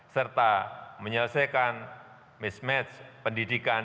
serta menyelesaikan mismatch pendidikan